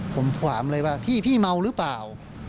ผมถามเลยว่าพี่เมาหรือเปล่า